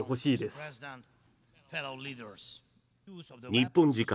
日本時間